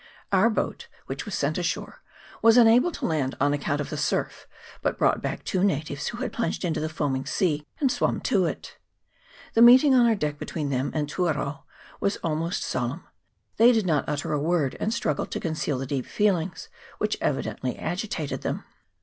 Our boat, which was sent ashore, was unable to land on account of the surf, but brought back two natives who had plunged into the foaming sea and swum to it. The meeting K2 13*2 MOUNT EGMONT. [PART I. on our deck between them and Tuarau was almost solemn ; they did not utter a word, and struggled to conceal the deep feelings which evidently agitated them.